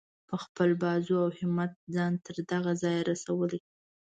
په خپل بازو او همت ځان تر دغه ځایه رسولی.